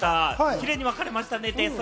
キレイに分かれましたね。